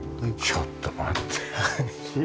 ちょっと待って広いね！